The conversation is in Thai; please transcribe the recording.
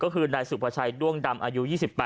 ก็คือนายสุภาชัยด้วงดำอายุ๒๘